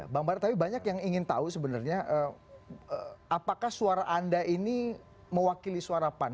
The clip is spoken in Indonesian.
bang bara tapi banyak yang ingin tahu sebenarnya apakah suara anda ini mewakili suara pan